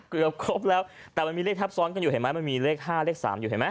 เกือบครบแล้วแต่มันมีเลขทับซ้อนกันอยู่เห็นไหมมันมีเลข๕เลข๓อยู่เห็นไหม